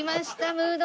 ムード